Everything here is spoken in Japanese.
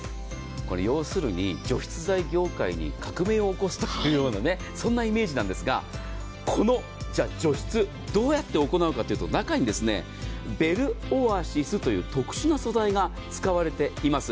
これ要するに除湿剤業界に革命を起こすというようなそんなイメージなんですがこの除湿どうやって行うかというと中にベルオアシスという特殊な素材が使われています。